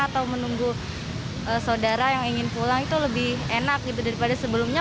atau menunggu saudara yang ingin pulang itu lebih enak gitu daripada sebelumnya